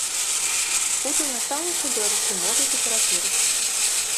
Буду настаўніцай беларускай мовы і літаратуры.